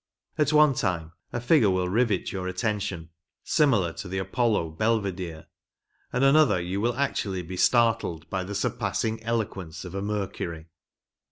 At one time a figure will rivet your attention, similar to the Apollo Belvidere, and another, you will actually be startled by the surpassing elo(iuence of a Mercury."